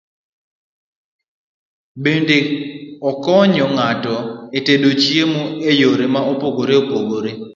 Bende okonyo ng'ato e tedo chiemo e yore ma opogore opogore.